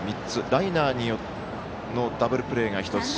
ライナーのダブルプレーが１つ。